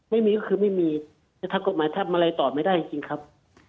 ไม่มีก็คือไม่มีแต่ทำกฎหมายทำอะไรตอบไม่ได้จริงครับ